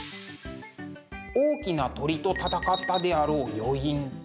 大きな鳥と戦ったであろう余韻。